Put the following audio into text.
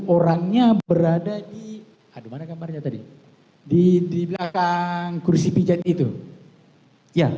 orangnya berada di adu mana gambarnya tadi di belakang kursi pijat itu ya